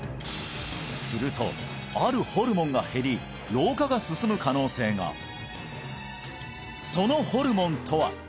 するとあるホルモンが減り老化が進む可能性がそのホルモンとは？